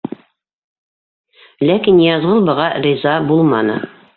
Ләкин Ныязғол быға риза булманы.